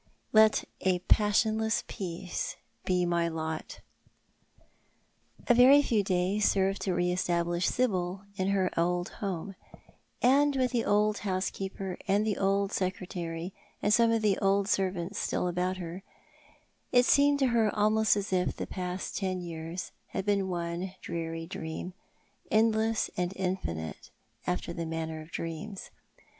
LET A PASSIONLESS PEACE BE MY LOT." A VERY few days served to re establish Sibyl in her old home; and, with the old housekeeper, and the old secretary, and some of the old servants still about her, it seemed to her almost as if the past ten years had been one dreary dream— endless and infinite after the manner of dreams.